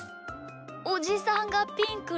おじさんがピンクだと。